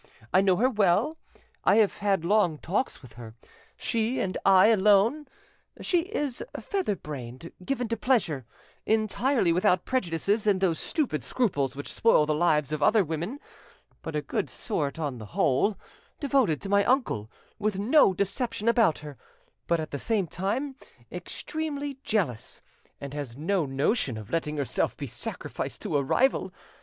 I know her well; I have had long talks with her, she and I alone: she is feather brained, given to pleasure, entirely without prejudices and those stupid scruples which spoil the lives of other women; but a good sort on the whole; devoted to my uncle, with no deception about her; but at the same time extremely jealous, and has no notion of letting herself be sacrificed to a rival.